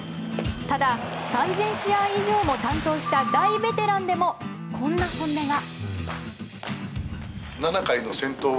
ただ、３０００試合以上も担当した大ベテランでも、こんな本音が。